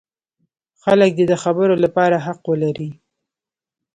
خلک دې د خبرو لپاره حق ولري.